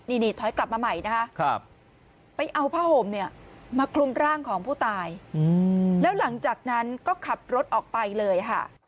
นี่ถอยกลับมาใหม่นะคะไปเอาผ้าห่มเนี่ยมาคลุมร่างของผู้ตายแล้วหลังจากนั้นก็ขับรถออกไปเลยค่ะ